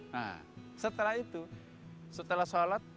nah setelah itu setelah sholat